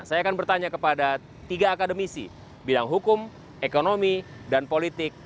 saya akan bertanya kepada tiga akademisi bidang hukum ekonomi dan politik